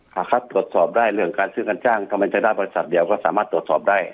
ครับตรวจสอบได้เรื่องการซื้อการจ้างทำไมจะได้บริษัทเดียวก็สามารถตรวจสอบได้